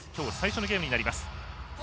きょう最初のゲームになります。